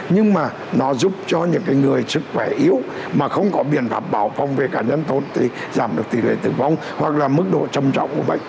nhưng mà nó giúp cho những người sức khỏe yếu mà không có biện pháp bảo phòng về cả nhân tôn thì giảm được tỉ lệ tử vong hoặc là mức độ trầm trọng của bệnh